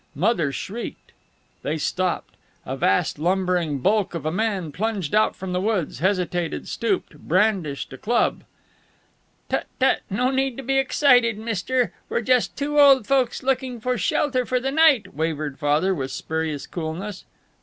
Mother shrieked. They stopped. A vast, lumbering bulk of a man plunged out from the woods, hesitated, stooped, brandished a club. "Tut, tut! No need to be excited, mister. We're just two old folks looking for shelter for the night," wavered Father, with spurious coolness.